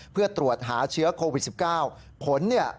เพื่อตรวจหาเชื้อโควิด๑๙ผลเนี่ย